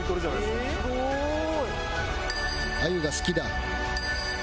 「すごーい！」